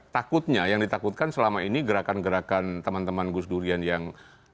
takutnya yang ditakutkan selama ini gerakan gerakan teman teman gus durian yang